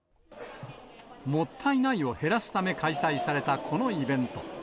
もったいないを減らすため開催されたこのイベント。